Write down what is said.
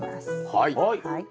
はい。